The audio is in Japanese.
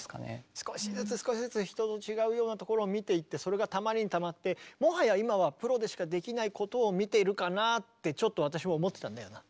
少しずつ少しずつ人と違うようなところを見ていってそれがたまりにたまってもはや今はプロでしかできないことを見ているかなってちょっと私も思ってたんだよな